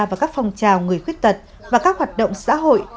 vào các phong trào người khuyết tật và các hoạt động xã hội